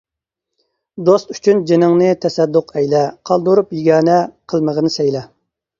دوست ئۈچۈن جىنىڭنى تەسەددۇق ئەيلە، قالدۇرۇپ يېگانە، قىلمىغىن سەيلە.